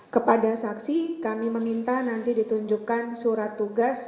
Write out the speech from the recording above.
kepada saksi kami meminta nanti ditunjukkan surat tugas